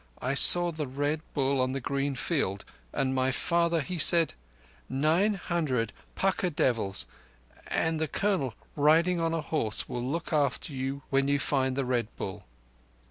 I saw the Red Bull on the green field, and my father he said: 'Nine hundred pukka devils and the Colonel riding on a horse will look after you when you find the Red Bull!